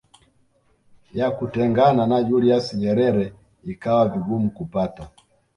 ya kutengana na Julius Nyerere ikawa vigumu kupata